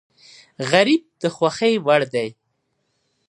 غریب د خوښۍ وړ دی